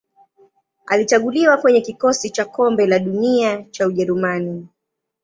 Alichaguliwa kwenye kikosi cha Kombe la Dunia cha Ujerumani.